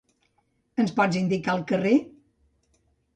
Ens pot indicar el carrer?